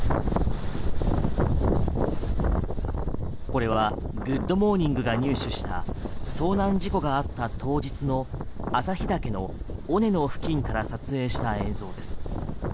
これは「グッド！モーニング」が入手した遭難事故があった当日の朝日岳の尾根の付近から撮影した映像です。